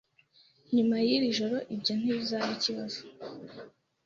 Nyuma yiri joro, ibyo ntibizaba ikibazo.